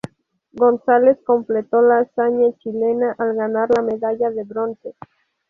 González completó la hazaña chilena al ganar la medalla de bronce.